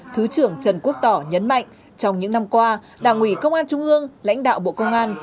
thứ trưởng trần quốc tỏ nhấn mạnh trong những năm qua đảng ủy công an trung ương lãnh đạo bộ công an